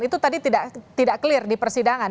itu tadi tidak clear di persidangan